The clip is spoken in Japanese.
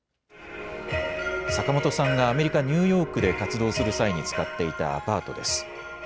坂本さんがアメリカ・ニューヨークで活動する際に使っていたアパートです。